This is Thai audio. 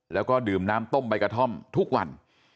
แล้วก็ดื่มน้ำต้มใบกระท่อมทุกวัน